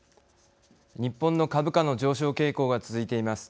日本の株価の上昇傾向が続いています。